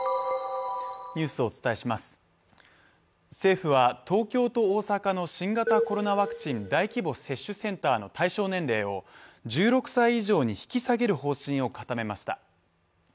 政府は東京と大阪の新型コロナワクチン大規模接種センターの対象年齢を１６歳以上に引き下げる方針を固めました。